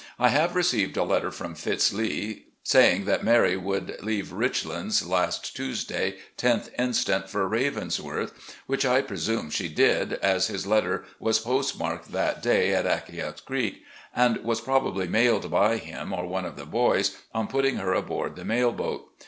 I have received a letter from Fitz. Lee, saying that Mary would leave 'Richlands' last Tuesday, loth inst., for 'Ravensworth,' which I presiune she did, as his letter was postmarked that day at Acquia Creek, and was probably mailed by him, or one of the boys, on putting her aboard the mail boat.